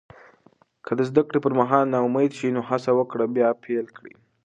که د زده کړې پر مهال ناامید شې، نو هڅه وکړه بیا پیل کړې.